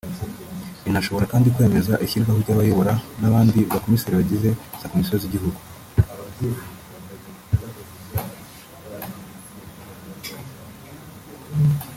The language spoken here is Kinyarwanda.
Inashobora kandi kwemeza ishyirwaho ry’abayobora n’abandi ba Komiseri bagize za Komisiyo z’Igihugu